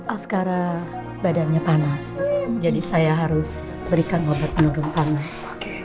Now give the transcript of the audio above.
askara badannya panas jadi saya harus berikan obat penurun panas